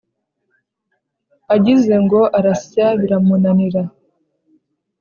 agize ngo arasya biramunanira